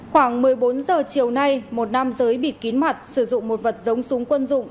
khoảng một mươi bốn h chiều nay một nam giới bịt kín mặt sử dụng một vật giống súng quân dụng